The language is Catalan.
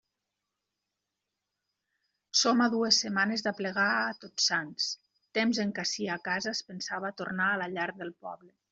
Som a dues setmanes d'aplegar a Tots Sants, temps en què ací a casa es pensava a tornar a la llar del poble.